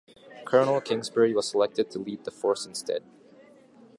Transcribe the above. Colonel Kingsbury was selected to lead the force instead.